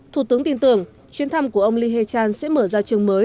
thủ tướng tin tưởng chuyến thăm của ông lee hae chan sẽ mở giao trường mới